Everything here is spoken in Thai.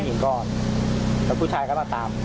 เห็นก่อนแล้วผู้ชายก็มาตาม